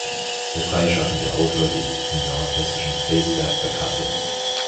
Der freischaffende Autor lebt im nordhessischen Felsberg bei Kassel.